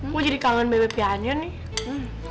gue jadi kangen bebe pianin nih